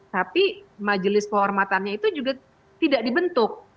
tapi majelis kehormatannya itu juga tidak dibentuk